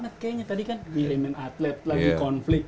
tadi kan milimen atlet lagi konflik